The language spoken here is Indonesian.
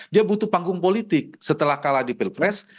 dia butuh panggung politik setelah kalah di pilpres